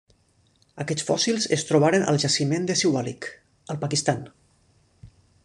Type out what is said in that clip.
Aquests fòssils es trobaren al jaciment de Siwalik, al Pakistan.